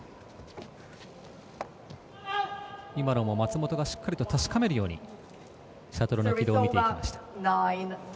今のも松本がしっかりと確かめるようにシャトルの軌道を見ていきました。